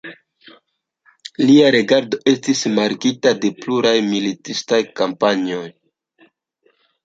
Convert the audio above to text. Lia regado estis markita de pluraj militistaj kampanjoj.